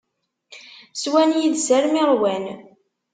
Swan yid-s armi i ṛwan.